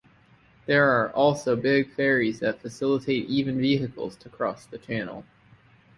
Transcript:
There are also big ferries that facilitate even vehicles to cross the channel.